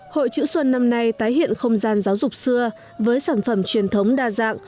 hội chữ xuân năm nay tái hiện không gian giáo dục xưa với sản phẩm truyền thống đa dạng